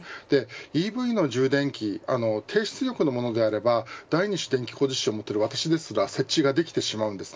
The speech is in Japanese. ＥＶの充電器低出力のものであれば第二種電気工事士を持っている私ですら設置ができてしまうんですね。